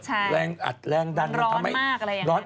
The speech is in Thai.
ใช่ร้อนมากอะไรอย่างนั้น